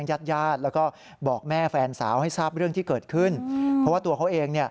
หลังเกิดเหตุ